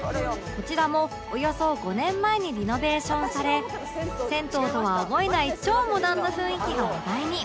こちらもおよそ５年前にリノベーションされ銭湯とは思えない超モダンな雰囲気が話題に